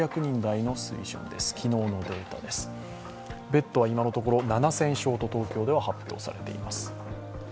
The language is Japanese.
ベッドは今のところ７０００床と東京では発表されています。